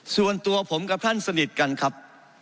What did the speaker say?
ส่วนตัวผมกับท่านสนิทกันครับ